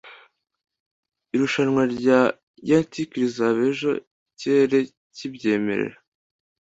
irushanwa rya yacht rizaba ejo, ikirere kibyemerera